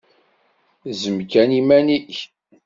Zzem kan iman-ik!